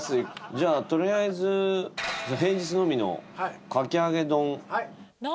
じゃあ取りあえず平日のみのかき揚丼。